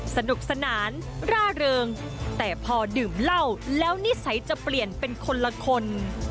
สนุกสนานร่าเริงแต่พอดื่มเหล้าแล้วนิสัยจะเปลี่ยนเป็นคนละคน